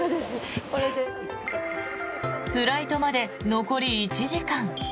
フライトまで残り１時間。